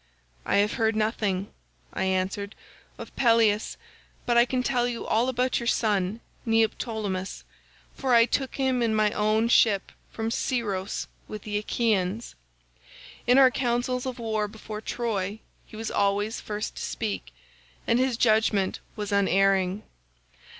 "'I have heard nothing,' I answered, 'of Peleus, but I can tell you all about your son Neoptolemus, for I took him in my own ship from Scyros with the Achaeans. In our councils of war before Troy he was always first to speak, and his judgement was unerring.